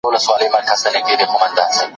آیا د دې څانګو تر منځ پوله ټاکل ګران کار دی؟